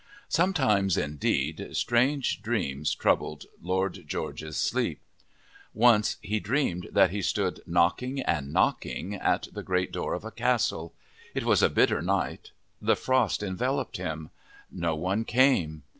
Sometimes, indeed, strange dreams troubled Lord George's sleep. Once he dreamed that he stood knocking and knocking at the great door of a castle. It was a bitter night. The frost enveloped him. No one came.